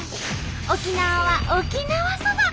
沖縄は沖縄そば！